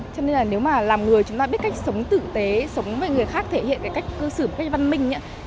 cho nên là nếu mà làm người chúng ta biết cách sống tử tế sống với người khác thể hiện cái cách cư xử một cách văn minh